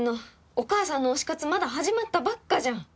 お母さんの推し活まだ始まったばっかじゃん！